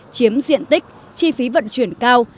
chiếm diện tích chi phí vận chuyển cao